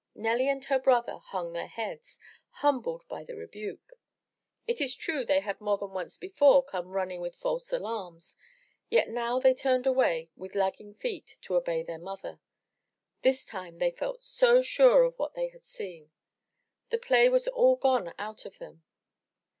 Nelly and her brother hung their heads, humbled by the rebuke. It was true they had more than once before come running with false alarms, yet now they turned away with lag ging feet to obey their mother. This time they felt so sure of what they had seen! The play was all gone out of them.